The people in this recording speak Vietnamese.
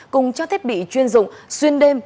cùng cho thiết bị chuyên dụng xuyên đêm